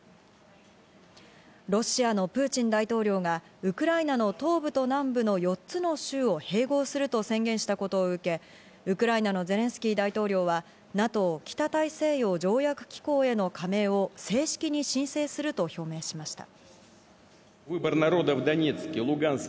ロシアのプーチン大統領がウクライナの東部と南部の４つの州を併合すると宣言したことを受け、ウクライナのゼレンスキー大統領はＮＡＴＯ＝北大西洋条約機構への加盟を正式に申請すると表明しました。